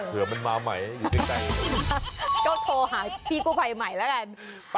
เผื่อมันมาใหม่อยู่ในใจก็โทรหาพี่กู้ไพใหม่แล้วกัน